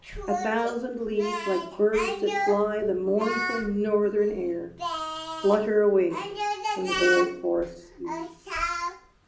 A thousand leaves, Like birds that fly the mournful Northern air, Flutter away from the old forest's eaves.